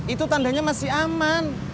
itu tandanya masih aman